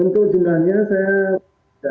untuk jumlahnya saya tidak bisa menyebutkan detail